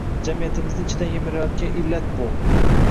Jamiyatimizni ichidan yemirayotgan illat bu.